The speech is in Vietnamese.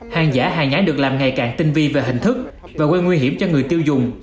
hàng giả hàng nhán được làm ngày càng tinh vi về hình thức và gây nguy hiểm cho người tiêu dùng